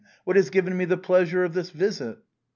What has given me the pleasure of this visit